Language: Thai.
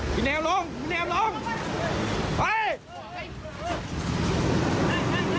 พี่เนวลงพี่เนวลงเฮ้ย